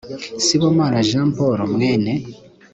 sibomana jean paul mwene